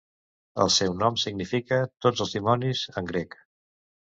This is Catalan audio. El seu nom significa "tots els dimonis" en grec.